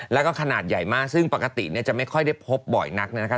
แล้วก็ขนาดใหญ่มากซึ่งปกติเนี่ยจะไม่ค่อยได้พบบ่อยนักนะครับ